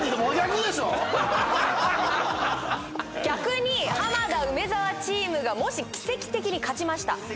逆に浜田梅沢チームがもし奇跡的に勝ちました